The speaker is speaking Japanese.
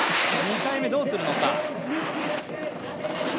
２回目どうするのか。